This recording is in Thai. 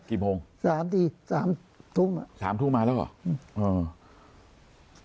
กี่โมง๓ทุ่งมาแล้วเหรอ